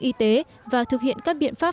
y tế và thực hiện các biện pháp